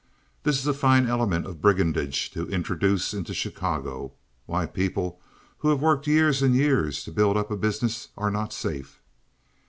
This is a fine element of brigandage to introduce into Chicago; why, people who have worked years and years to build up a business are not safe!"